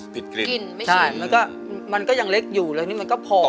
ผิดกลิ่นไม่ชินใช่มันก็ยังเล็กอยู่แล้วนี่มันก็ผอม